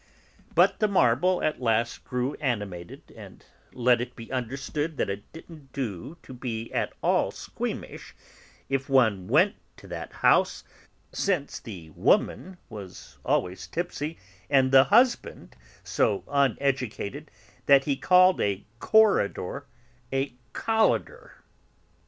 But the marble at last grew animated and let it be understood that it didn't do to be at all squeamish if one went to that house, since the woman was always tipsy and the husband so uneducated that he called a corridor a 'collidor'!